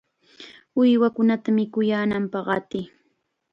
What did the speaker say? ¡Uywakunata mikuyaananpaq qatiy!